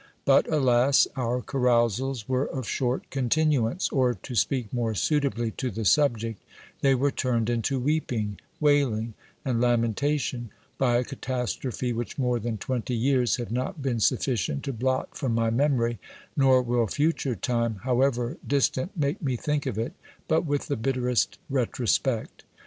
But, alas ! our carousals were of short continu ance ; or, to speak more suitably to the subject, they were turned into weeping, wailing, and lamentation, by a catastrophe which more than twenty years have not been sufficient to blot from my memory, nor will future time, however dis tant, make me think of it but with the bitterest retrospect.